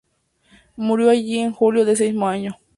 Murió allí en julio de ese mismo año.